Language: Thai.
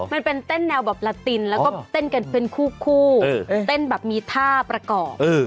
มันเป็นเต้นแนวแบบลาตินแล้วก็เต้นกันเป็นคู่เต้นแบบมีท่าประกอบ